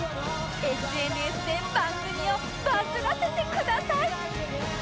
ＳＮＳ で番組をバズらせてください